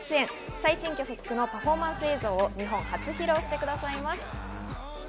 最新曲のパフォーマンス映像を日本初披露してくれます。